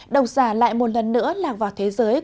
độc giả lại một lần nữa lạc vào thế giới